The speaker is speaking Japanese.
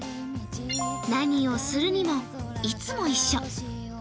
何をするにも、いつも一緒。